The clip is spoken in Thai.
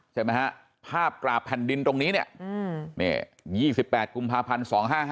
ใช่ไหมฮะภาพกราบแผ่นดินตรงนี้เนี่ย๒๘กุมภาพันธ์๒๕๕